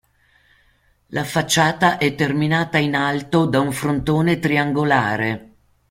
La facciata è terminata in alto da un frontone triangolare.